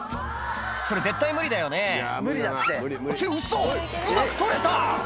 それ絶対無理だよねってウソうまく取れた！